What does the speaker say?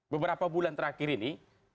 beberapa bulan terakhir ini